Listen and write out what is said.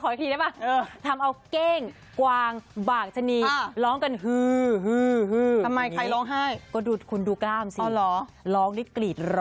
นี่แต่งตัวอะไรนะฮะบิ๊ก